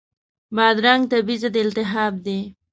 بادرنګ طبیعي ضد التهاب دی.